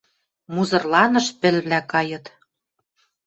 Музырланыш пӹлвлӓ кайыт